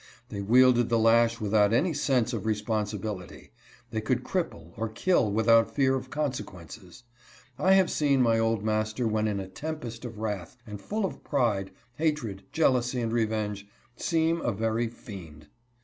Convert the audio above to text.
They wielded the lash without any sense of responsibility. They could cripple or kill without fear of consequences. I have seen my old mas ter when in a tempest of wrath, and full of pride, hatred, jealousy and revenge, seem a very fiend.